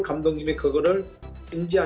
jadi pengadil singapura mengakuinya